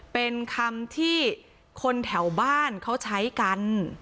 เป็นคำที่คนแถวบ้านเขาใช้กัน